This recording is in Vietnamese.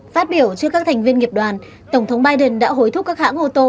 phát biểu trước các thành viên nghiệp đoàn tổng thống biden đã hối thúc các hãng ô tô